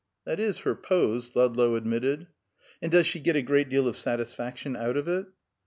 "That is her pose," Ludlow admitted. "And does she get a great deal of satisfaction out of it?"